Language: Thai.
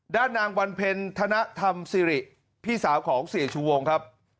ด้านนางวันเพ็ญธนธรรมสิริพี่สาวของเสียชูวงครับ